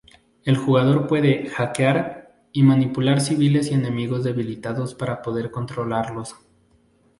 El jugador puede "hackear" y manipular civiles y enemigos debilitados para poder controlarlos.